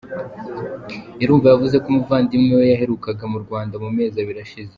Irumva yavuze ko umuvandimwe we yaherukaga mu Rwanda mu mezi abiri ashize.